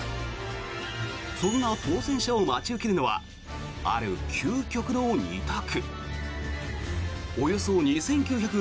そんな当選者を待ち受けるのはある究極の二択。